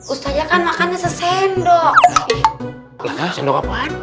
ustazah kan makannya sesendok